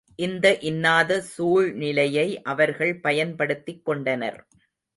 இந்த இன்னாத சூழ்நிலையை அவர்கள் பயன்படுத்திக் கொண்டனர்.